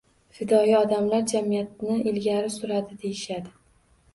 Fidoyi odamlar jamiyatni ilgari suradi, deyishadi.